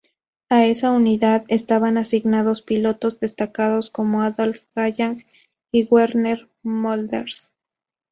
A esa unidad estaban asignados pilotos destacados, como Adolf Galland y Werner Mölders.